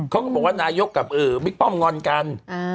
เขาก็บอกว่านายกกับบิ๊กป้อมงอนกัน